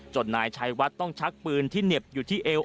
นายชัยวัดต้องชักปืนที่เหน็บอยู่ที่เอว